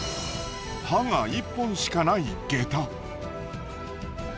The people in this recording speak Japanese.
歯が一本しかないげた。